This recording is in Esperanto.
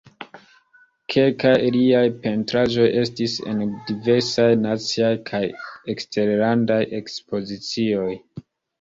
Kelkaj liaj pentraĵoj estis en diversaj naciaj kaj eksterlandaj ekspozicioj.